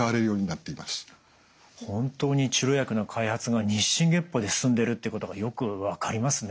本当に治療薬の開発が日進月歩で進んでるってことがよく分かりますね。